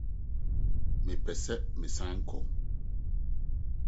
Mepɛ sɛ mesan kɔ.